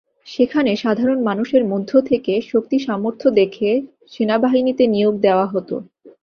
সেখানে সাধারণ মানুষের মধ্য থেকে শক্তি-সামর্থ্য দেখে সেনাবাহিনীতে নিয়োগ দেওয়া হতো।